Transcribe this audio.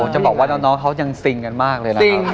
จะบอกว่าน้องแน้นยังซ์ระแลงกันเลยนะครับ